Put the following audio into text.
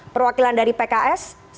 perwakilan dari pks